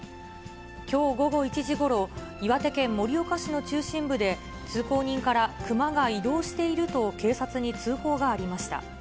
きょう午後１時ごろ、岩手県盛岡市の中心部で、通行人から、熊が移動していると警察に通報がありました。